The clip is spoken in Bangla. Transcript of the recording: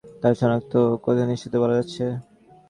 তারা শনাক্ত না করা পর্যন্ত, কেবল একটা কথাই নিশ্চিতভাবে বলা যাচ্ছে।